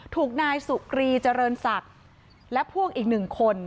ถูกนายสุกรีเจริญศักดิ์และพวกอีกหนึ่งคน